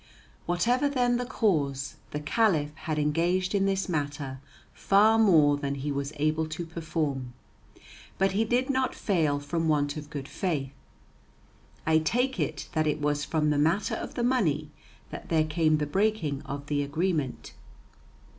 Whatever, then, the cause, the Caliph had engaged in this matter far more than he was able to perform. But he did not fail from want of good faith. I take it that it was from the matter of the money that there came the breaking of the agreement.